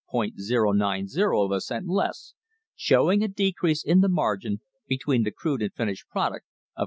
090 of a cent less, showing a decrease in the margin between the crude and finished product of